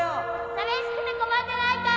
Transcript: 寂しくて困ってないか？